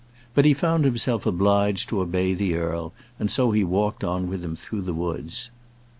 But he found himself obliged to obey the earl, and so he walked on with him through the woods.